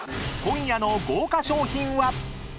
［今夜の豪華賞品は⁉］